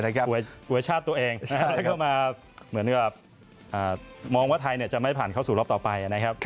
ตวยชาติตัวเองแล้วก็มองว่าไทยจะไม่ผ่านเข้าสู่รอบต่อไป